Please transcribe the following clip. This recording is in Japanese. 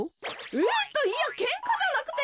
えっといやけんかじゃなくて。